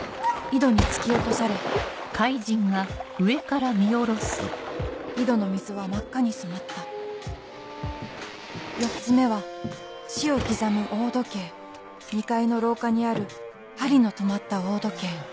井戸に突き落とされ井戸の水は真っ赤に染まった４つ目は「死を刻む大時計」２階の廊下にある針の止まった大時計